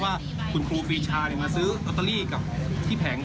ว่าครูปิชาได้เลขจากมือเราไปแล้วเป็นเกียรติสมบูรณ์